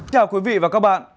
chào quý vị và các bạn